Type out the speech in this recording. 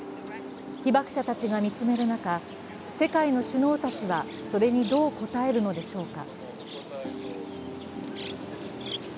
被爆者たちが見つめる中、世界の首脳たちはそれにどう応えるのでしょうか。